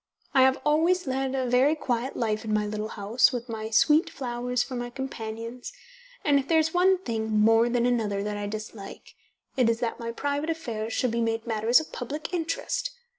I have always led a very quiet life in my little house, with my sweet flowers for my companions, and if there is one thing more than another that I dislike, it is that my private affairs should be made matters of public interest.